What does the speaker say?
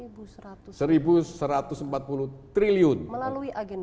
melalui agen briling